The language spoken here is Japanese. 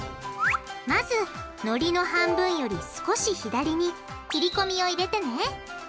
まずのりの半分より少し左に切り込みを入れてね。